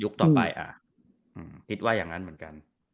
คิดว่าอย่างนั้นเหมือนกัน